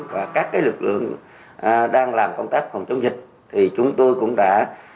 và các lực lượng đang làm công tác phòng chống dịch thì chúng tôi cũng đã